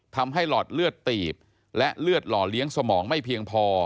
หลอดเลือดตีบและเลือดหล่อเลี้ยงสมองไม่เพียงพอ